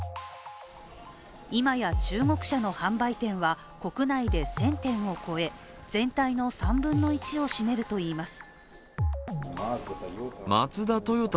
今や中国社の販売店は国内で１０００店を超え全体の３分の１を占めるといいます。